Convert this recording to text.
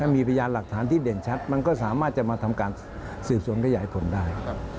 มันก็สามารถจะมาทำการสื่อส่วนขยายผลได้